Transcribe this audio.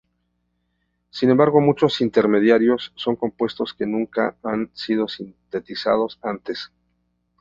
Sin embargo muchos intermedios son compuestos que nunca han sido sintetizados antes.